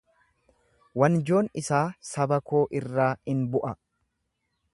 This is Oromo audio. Wanjoon isaa saba koo irraa ni bu’a.